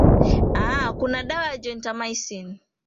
aa kuna dawa ya gentamycin